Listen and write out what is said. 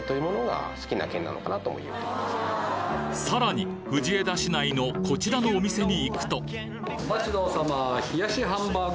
さらに藤枝市内のこちらのお店に行くとお待ちどおさま。